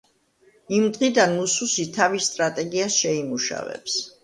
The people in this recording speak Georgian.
იმ დღიდან მუსუსი თავის სტრატეგიას შეიმუშავებს.